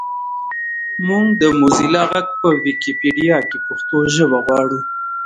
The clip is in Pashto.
مونږ د موزیلا غږ په ویکیپېډیا کې پښتو ژبه غواړو